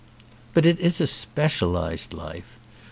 But it is a specialised life.